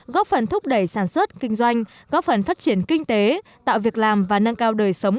góp phần thúc đẩy sản xuất kinh doanh góp phần phát triển kinh tế tạo việc làm và nâng cao đời sống